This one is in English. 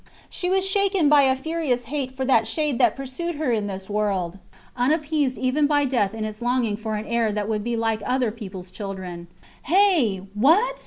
She was shaken by a furious hate for that shade that pursued her in this world, unappeased even by death in its longing for an heir that would be like other peoples children. Hey! What?